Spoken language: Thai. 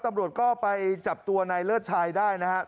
ตำรวจก็ไปจับตัวนายเลิศชายได้นะครับ